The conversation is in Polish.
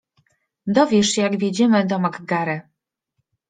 - Dowiesz się jak wjedziemy do MacGurry.